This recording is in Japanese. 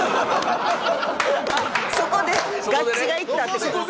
そこで合致がいったってことですよね。